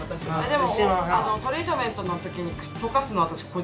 でもトリートメントの時にとかすの私これ。